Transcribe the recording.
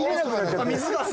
水が。